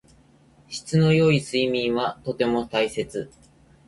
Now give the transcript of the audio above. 質の良い睡眠はとても大切。